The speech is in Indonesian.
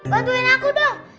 bantuin aku dong